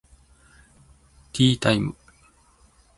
ティータイム